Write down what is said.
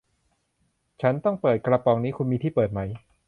ฉันต้องเปิดกระป๋องนี้ คุณมีที่เปิดไหม